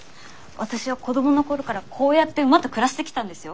私は子供の頃からこうやって馬と暮らしてきたんですよ。